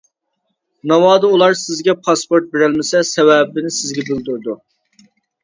ناۋادا ئۇلار سىزگە پاسپورت بېرەلمىسە، سەۋەبىنى سىزگە بىلدۈرىدۇ.